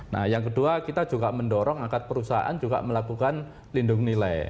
nah yang kedua kita juga mendorong agar perusahaan juga melakukan lindung nilai